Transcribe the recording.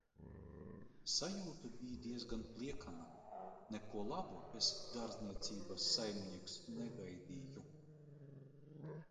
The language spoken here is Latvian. "Sajūta bij diezgan pliekana, neko labu es "dārzniecības saimnieks" negaidīju."